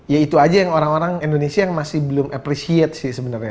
ya itu aja yang orang orang indonesia yang masih belum appreciate sih sebenarnya